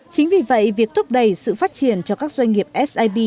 chính vì vậy việc thúc đẩy sự phát triển cho các doanh nghiệp sip